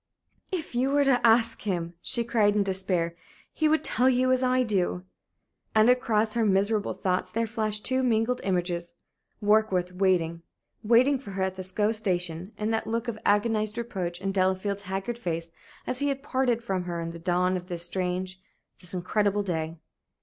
"If you were to ask him," she cried, in despair, "he would tell you as I do." And across her miserable thoughts there flashed two mingled images Warkworth waiting, waiting for her at the Sceaux Station, and that look of agonized reproach in Delafield's haggard face as he had parted from her in the dawn of this strange, this incredible day.